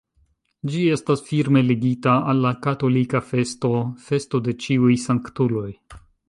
Ĝi estas firme ligita al la katolika festo festo de ĉiuj sanktuloj.